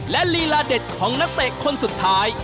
และลีลาเด็ดของนักเตะคนสุดท้าย